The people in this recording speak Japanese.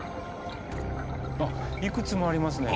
あっいくつもありますね。